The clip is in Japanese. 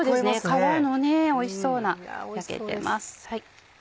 皮のおいしそうな焼けてます。